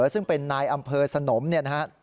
ซึ่งเป็นนายอำเภอสนมเนี่ยนะฮะ